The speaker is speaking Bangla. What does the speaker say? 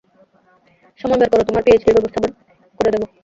সময় বের করো, তোমার পিএইচডির ব্যবস্থা করে দেব।